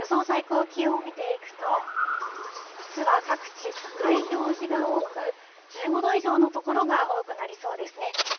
最高気温を見ていくと、あすは各地、赤い表示が多く、１５度以上の所が多くなりそうですね。